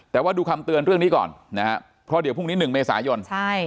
แต่ว่าดูคำเตือนเรื่องนี้ก่อนนะฮะเพราะเดี๋ยวพรุ่งนี้๑เมษายนใช่